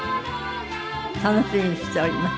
楽しみにしております。